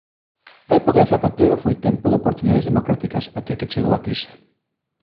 A época de Zapatero foi tempo de oportunidades democráticas até que chegou a crise.